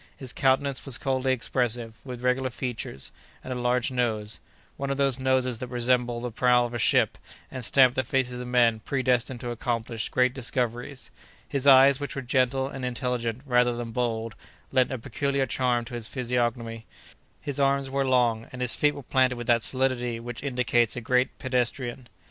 His countenance was coldly expressive, with regular features, and a large nose—one of those noses that resemble the prow of a ship, and stamp the faces of men predestined to accomplish great discoveries. His eyes, which were gentle and intelligent, rather than bold, lent a peculiar charm to his physiognomy. His arms were long, and his feet were planted with that solidity which indicates a great pedestrian.